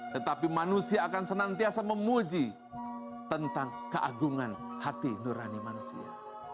tetapi manusia akan senantiasa memuji tentang keagungan hati nurani manusia